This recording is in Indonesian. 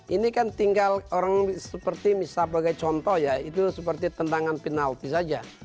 ini kan tinggal orang seperti misal pakai contoh ya itu seperti tendangan penalti saja